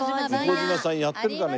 向島さんやってるかね？